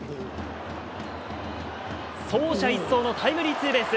走者一掃のタイムリーツーベース。